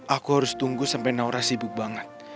aku harus tunggu sampai naura sibuk banget